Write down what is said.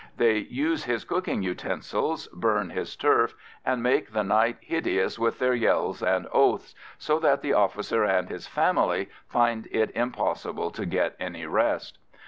They use his cooking utensils, burn his turf, and make the night hideous with their yells and oaths, so that the officer and his family find it impossible to get any rest.